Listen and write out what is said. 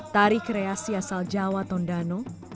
tari kreasi asal jawa tondano